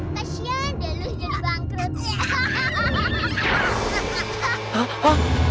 kasihan kamu sudah bangkrut